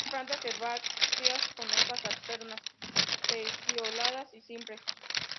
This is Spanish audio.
Son plantas herbáceas con hojas alternas, pecioladas y simples.